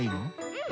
うん。